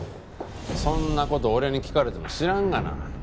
そんな事俺に聞かれても知らんがな。